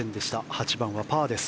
８番はパーです。